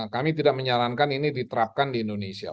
kami tidak menyarankan ini diterapkan di indonesia